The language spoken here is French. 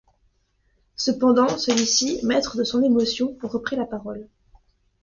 Cependant celui-ci, maître de son émotion, reprit la parole.